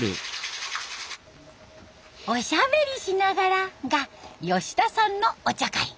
おしゃべりしながらが吉田さんのお茶会。